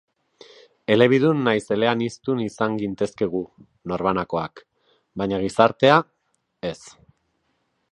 Elebidun nahiz eleaniztun izan gintezke gu, norbanakoak, baina gizartea, ez.